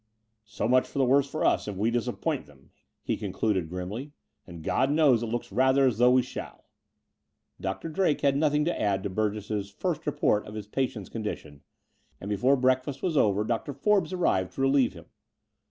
And so much the worse for us if we disappoint them," he concluded grimly; and God knows it looks rather like as though we shall !" Dr. Drake had nothing to add to Burgess's first report of his patient's condition : and before break fast was over Dr. Forbes arrived to relieve him.